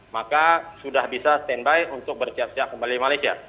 maka sudah bisa standby untuk berjaya jaya kembali ke malaysia